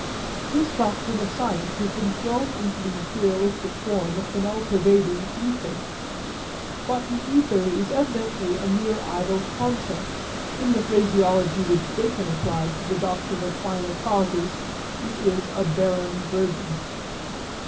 This doctrine of science has been thrown into the materialistic form of an all pervading ether. But the ether is evidently a mere idle concept in the phraseology which Bacon applied to the doctrine of final causes, it is a barren virgin.